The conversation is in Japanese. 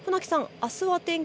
あすは天気